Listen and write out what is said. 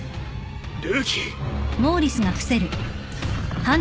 ルーキー。